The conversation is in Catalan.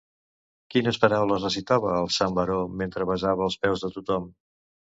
Quines paraules recitava el sant baró mentre besava els peus de tothom?